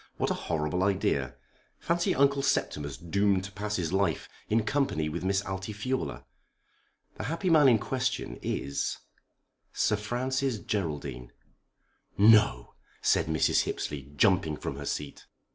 "What a horrible idea! Fancy Uncle Septimus doomed to pass his life in company with Miss Altifiorla! The happy man in question is Sir Francis Geraldine." "No!" said Mrs. Hippesley, jumping from her seat.